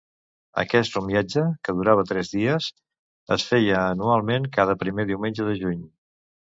Aquest romiatge, que durava tres dies, es feia anualment, cada primer diumenge de juny.